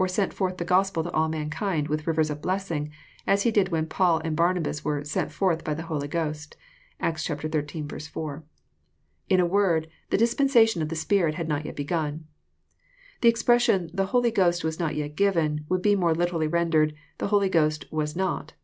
8entfbrth the Gospel to all mankind with rivers of blessing, asfie did when Paul and Barnabas were *'' sent forth by the Holy Ghost." (Acts xiii. 4.) In a word, the dispensation of the Spirit had not yet begun. The expression " the Holy Ghost was not yet given," would be more literally rendered, " the Holy Ghost was not."